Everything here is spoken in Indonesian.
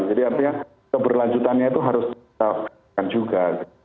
jadi artinya keberlanjutannya itu harus kita lakukan juga